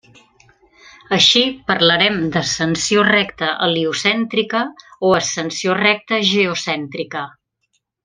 Així parlarem d'ascensió recta heliocèntrica o ascensió recta geocèntrica.